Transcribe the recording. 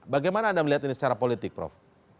bagaimana anda melihat ini secara politik prof